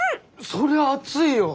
そりゃ熱いよ。